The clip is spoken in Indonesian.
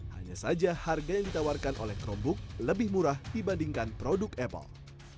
hanya saja harga yang ditawarkan oleh chromebook lebih murah dibandingkan produk apple